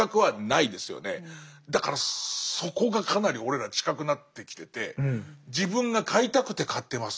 だからそこがかなり俺ら近くなってきてて自分が買いたくて買ってます。